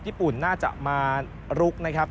ญี่ปุ่นน่าจะมาลุกนะครับ